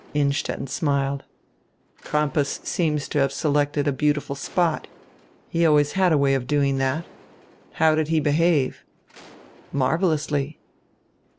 Innstetten smiled. "Crampas seems to have selected a beautiful spot. He always had a way of doing that. How did he behave?" "Marvelously."